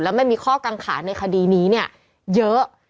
ไม่มีข้อกังขาในคดีนี้เนี่ยเยอะ